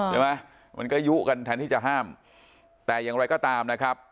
มันก็ยุกันแทนที่จะห้ามแต่อย่างไรก็ตามนะครับ